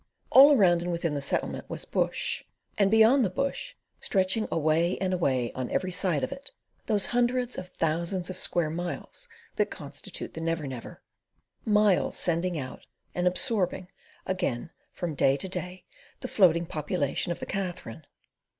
All around and within the Settlement was bush: and beyond the bush, stretching away and away on every side of it, those hundreds of thousands of square miles that constitute the Never Never—miles sending out and absorbing again from day to day the floating population of the Katherine.